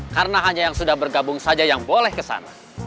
karena hanya yang sudah bergabung saja yang boleh kesana